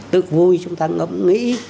tự vui chúng ta ngẫm nghĩ